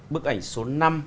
bức ảnh số năm